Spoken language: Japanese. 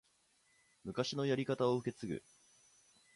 昔のやり方を受け継ぐ